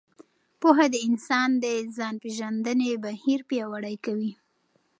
پوهه د انسان د ځان پېژندنې بهیر پیاوړی کوي.